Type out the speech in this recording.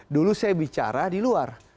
dulu saya bicara di luar